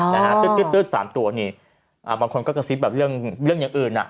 นะฮะตื๊ดสามตัวนี่อ่าบางคนก็กระซิบแบบเรื่องเรื่องอย่างอื่นอ่ะ